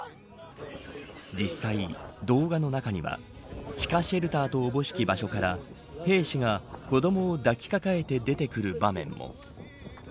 実際、動画の中には地下シェルターとおぼしき場所から兵士が子どもを抱えて出てくる場面も。